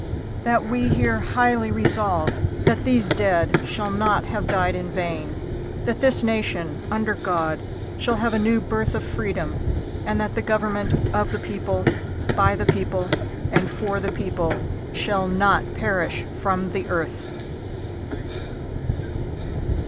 That we here highly resolve that these dead shall not have died in vain; that this nation, under God, shall have a new birth of freedom; and that the government of the people, by the people, and for the people, shall not perish from the earth."